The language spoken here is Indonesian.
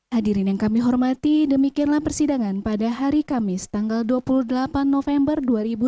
hadirin yang kami hormati demikianlah persidangan pada hari kamis tanggal dua puluh delapan november dua ribu sembilan belas